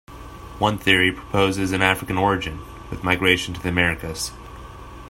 One theory proposes an African origin, with migration to the Americas.